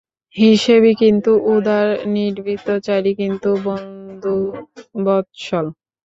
হিসেবী কিন্তু উদার, নিভৃতচারী কিন্তু বন্ধুবৎসল।